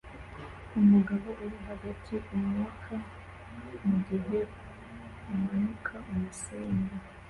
Umugabo uri hagati - umwuka mugihe umanuka umusenyi